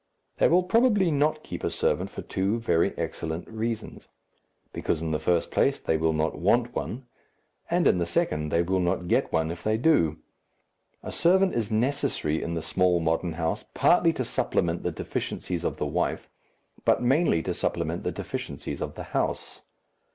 They will probably not keep a servant for two very excellent reasons, because in the first place they will not want one, and in the second they will not get one if they do. A servant is necessary in the small, modern house, partly to supplement the deficiencies of the wife, but mainly to supplement the deficiencies of the house.